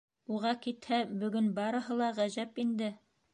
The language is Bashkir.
Уға китһә, бөгөн барыһы ла ғәжәп инде!